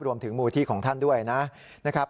รวมถึงมูลที่ของท่านด้วยนะครับ